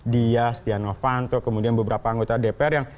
dia stiano vanto kemudian beberapa anggota dpr yang